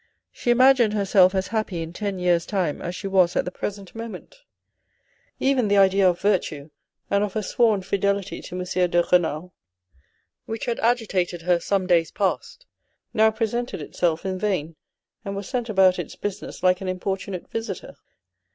She imagined herself as happy in ten years' time as she was at the present moment. Even the idea of virtue and of her sworn fidelity to M. de Renal, which had agitated 84 THE RED AND THE BLACK her some days past, now presented itself in vain, and was sent about its business like an importunate visitor.